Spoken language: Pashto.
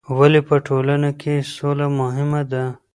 ولې په ټولنه کې سوله مهمه ده؟